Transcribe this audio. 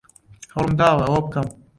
هەوڵم داوە ئەوە بکەم.